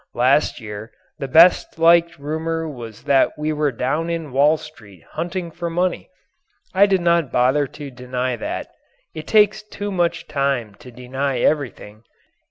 Last year the best liked rumour was that we were down in Wall Street hunting for money. I did not bother to deny that. It takes too much time to deny everything.